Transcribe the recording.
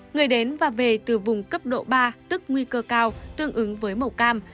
người đến và về từ vùng cấp độ ba tức nguy cơ cao tương ứng với màu cam